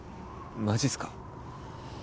マジっすか？